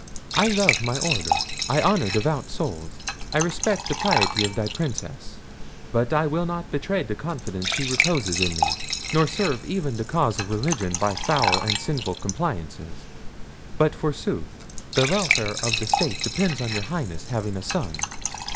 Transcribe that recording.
I love my order; I honour devout souls; I respect the piety of thy Princess—but I will not betray the confidence she reposes in me, nor serve even the cause of religion by foul and sinful compliances—but forsooth! the welfare of the state depends on your Highness having a son!